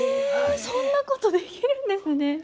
そんなことできるんですね。